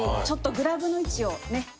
ちょっとグラブの位置をね。